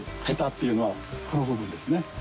ヘタっていうのはこの部分ですね。